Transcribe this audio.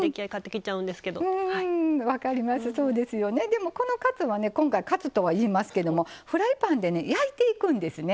でもこのカツはね今回カツとは言いますけどもフライパンで焼いていくんですね